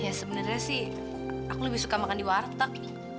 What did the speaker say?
ya sebenarnya sih aku lebih suka makan di warteg